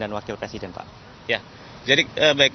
dan wakil presiden pak